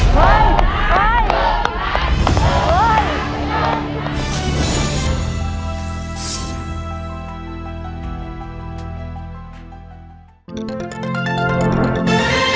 สวัสดีครับ